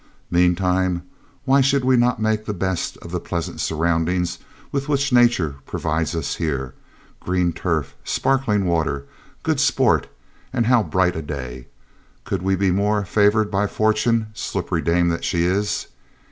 Meantime, why should we not make the best of the pleasant surroundings with which Nature provides us here green turf, sparkling water, good sport, and how bright a day! Could we be more favoured by Fortune, slippery dame that she is?